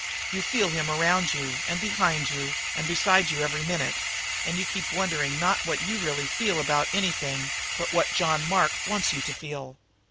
You feel him around you and behind you and beside you every minute, and you keep wondering not what you really feel about anything, but what John Mark wants you to feel.